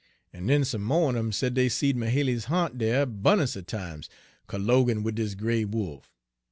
En den some mo' un 'em said dey seed Mahaly's ha'nt dere 'bun'ance er times, colloguin' wid dis gray wolf.